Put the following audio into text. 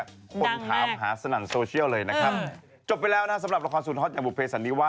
ดังแป๊บคุณถามหาสถานท์โซเชียลเลยนะฮะจบไปแล้วนะสำหรับละครศูนย์ฮอทอย่างบุ๊คเพปสันนิวาลนะครับ